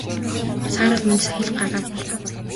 Саарал Минж сая л гараа буулгав.